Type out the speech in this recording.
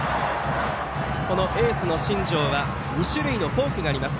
エースの新庄は２種類のフォークがあります。